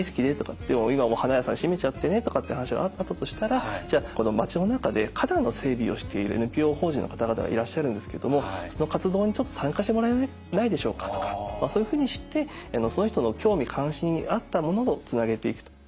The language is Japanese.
「でも今もう花屋さん閉めちゃってね」とかって話があったとしたら「じゃあこの町の中で花壇の整備をしているＮＰＯ法人の方々がいらっしゃるんですけどもその活動にちょっと参加してもらえないでしょうか」とかそういうふうにしてその人の興味関心に合ったものをつなげていくと。